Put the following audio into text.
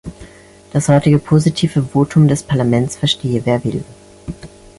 Das heutige positive Votum des Parlaments verstehe wer will.